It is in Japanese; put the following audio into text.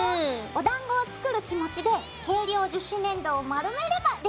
おだんごを作る気持ちで軽量樹脂粘土を丸めればできちゃうからね。